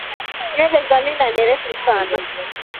Nywele za linda ni refu sana.